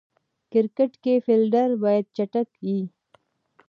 کرکټ کښي فېلډر باید چټک يي.